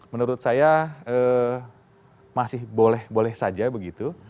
menurut saya masih boleh boleh saja begitu